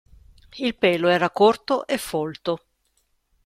Il pelo era corto e folto.